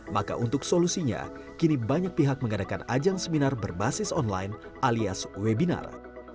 maka untuk solusinya kini banyak pihak mengadakan ajang seminar berbasis online alias webinar